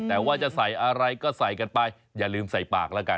แต่ว่าจะใส่อะไรก็ใส่กันไปอย่าลืมใส่ปากแล้วกัน